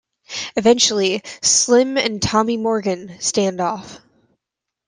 Eventually, Slim and Tommy Morgan stand off.